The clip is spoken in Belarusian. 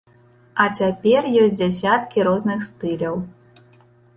А цяпер ёсць дзясяткі розных стыляў.